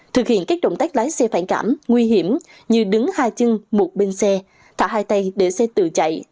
thực hiện các động tác lái xe phản cảm nguy hiểm như đứng hai chân một bên xe thả hai tay để xe tự chạy